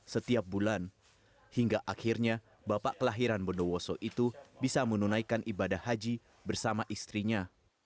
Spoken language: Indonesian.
setiap bulan hingga akhirnya bapak kelahiran bondowoso itu bisa menunaikan ibadah haji bersama istrinya